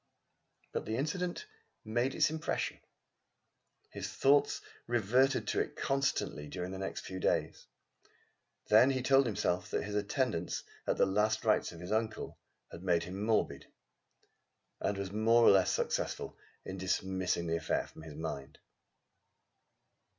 But the incident made its impression. His thoughts reverted to it constantly during the next few days. Then he told himself that his attendance at the last rites of his uncle had made him morbid, and was more or less successful in dismissing the affair from his mind.